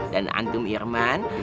dan antum irman